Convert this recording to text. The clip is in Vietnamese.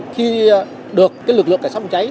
khi được lực lượng cảnh sát phòng cháy